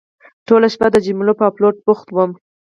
ټوله شپه د جملو په اپلوډ بوخت وم.